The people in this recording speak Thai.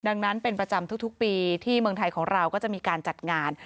ดังนั้นเป็นประจำทุกปีที่เมืองไทยของเราก็จะมีการจัดงาน